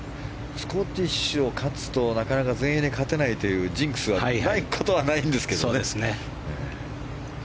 スコティッシュを勝つとなかなか全英で勝てないというジンクスがないことはないんですけどね。